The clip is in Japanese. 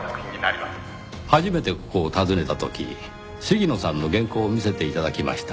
初めてここを訪ねた時鴫野さんの原稿を見せて頂きました。